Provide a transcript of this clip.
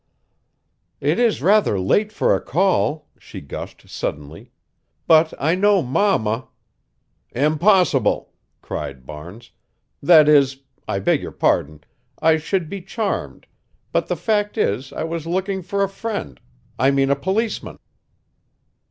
"It is rather late for a call," she gushed suddenly, "but I know mamma" "Impossible!" cried Barnes. "That is I beg your pardon I should be charmed, but the fact is I was looking for a friend I mean a policeman.